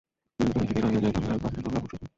হৃদয় যদি রাঙিয়া যায়, তবে আর বাহিরের রঙের আবশ্যক নাই।